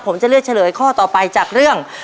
ผมจะเลือกเฉลยข้อต่อไปจากเรื่อง